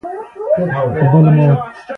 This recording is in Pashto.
درناوی د یو بل په وړاندې د پوره پوهې څرګندونه ده.